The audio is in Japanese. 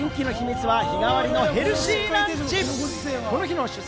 人気の秘密は日替わりのヘルシーランチ。